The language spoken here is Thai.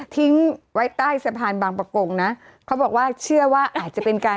ทิ้งไว้ใต้สะพานบางประกงนะเขาบอกว่าเชื่อว่าอาจจะเป็นการ